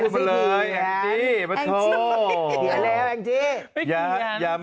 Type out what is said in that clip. ไม่อยากพูดอีกแล้ว